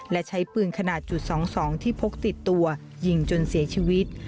และใช้ปืนขนาดจุด๒๒ที่พกติดตัวยิงจนเสียชีวิต